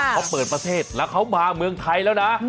เขาเปิดประเทศแล้วเขามาเมืองไทยแล้วนะ